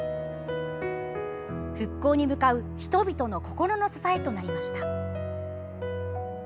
復興に向かう人々の心の支えとなりました。